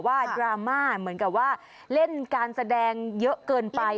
ดราม่าเหมือนกับว่าเล่นการแสดงเยอะเกินไป